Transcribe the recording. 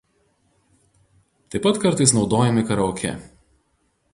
Taip pat kartais naudojami karaoke.